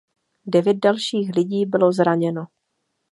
Devět dalších lidí bylo zraněno.